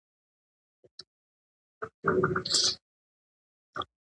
د شکایت حق د اساسي حقونو برخه ده.